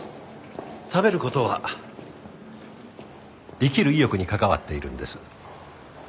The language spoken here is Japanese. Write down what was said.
食べる事は生きる意欲に関わっているんです。